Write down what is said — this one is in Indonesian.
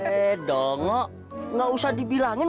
eh dong gak usah dibilangin